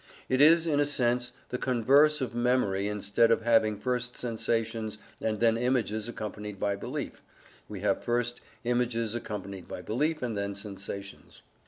It is, in a sense, the converse of memory instead of having first sensations and then images accompanied by belief, we have first images accompanied by belief and then sensations.